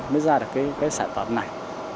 mới ra được cái sản phẩm này